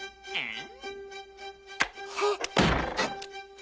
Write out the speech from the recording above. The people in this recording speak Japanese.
ん！